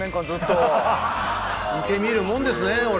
いてみるもんですねこれ。